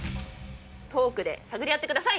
トークで探り合ってください。